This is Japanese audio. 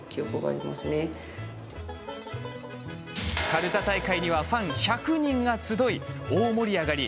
かるた大会にはファン１００人が集い大盛り上がり。